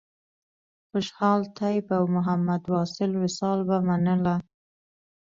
خوشحال طیب او محمد واصل وصال به منله.